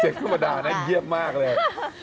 เสียงธรรมดานั่นเยี่ยมมากเลย